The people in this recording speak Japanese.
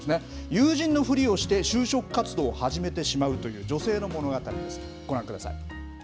友人のふりをして就職活動を始めてしまうという女性の物語です。